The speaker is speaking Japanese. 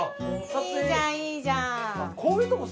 いいじゃんいいじゃん！